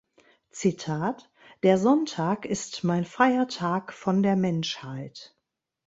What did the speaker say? Zitat: "Der Sonntag ist mein freier Tag von der Menschheit.